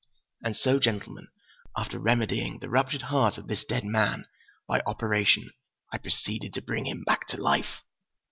And so, gentlemen, after remedying the ruptured heart of this dead man, by operation, I proceeded to bring him back to life.